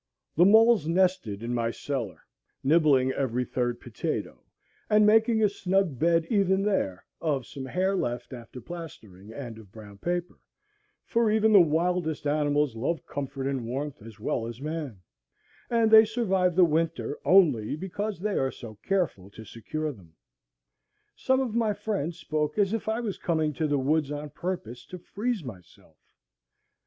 The moles nested in my cellar, nibbling every third potato, and making a snug bed even there of some hair left after plastering and of brown paper; for even the wildest animals love comfort and warmth as well as man, and they survive the winter only because they are so careful to secure them. Some of my friends spoke as if I was coming to the woods on purpose to freeze myself.